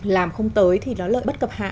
làm không tới thì nó lại bất cập hạ